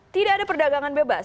tidak ada perdagangan bebas